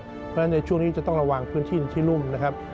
เพราะฉะนั้นในช่วงนี้จะต้องระวังพื้นที่ที่รุ่มนะครับ